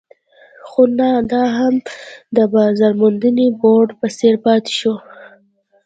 خو نه دا هم د بازار موندنې بورډ په څېر پاتې شو.